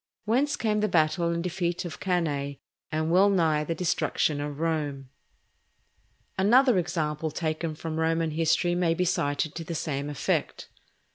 Whence came the battle and defeat of Cannæ, and well nigh the destruction of Rome. Another example taken from Roman history may be cited to the same effect.